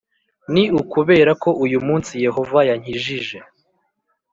Ni ukubera ko uyu munsi Yehova yankijije.